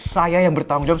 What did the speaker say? saya yang bertanggung jawab